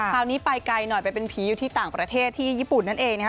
คราวนี้ไปไกลหน่อยไปเป็นผีอยู่ที่ต่างประเทศที่ญี่ปุ่นนั่นเอง